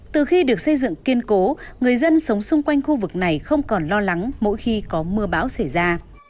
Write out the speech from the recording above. từ khi được xây dựng kiên cố người dân sống xung quanh khu vực này không còn lo lắng mỗi khi có mưa bão xảy ra